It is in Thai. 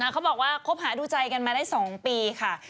เขาบอกว่าคบหาดูใจกันมาได้๒ปีค่ะ